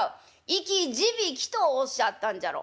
生き字引とおっしゃったんじゃろ」。